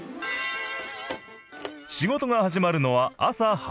仕事が始まるのは朝８時半。